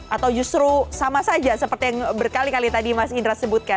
atau justru sama saja seperti yang berkali kali tadi mas indra sebutkan